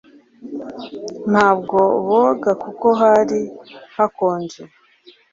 ntabwo boga kuko hari hakonje